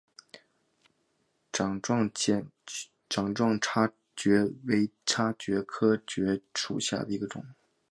掌状叉蕨为叉蕨科叉蕨属下的一个种。